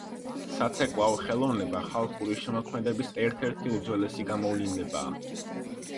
საცეკვაო ხელოვნება ხალხური შემოქმედების ერთ-ერთი უძველესი გამოვლინებაა.